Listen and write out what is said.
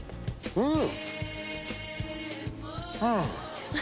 うん！